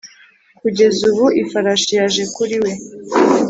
kugeza ubu ifarashi yaje kuri we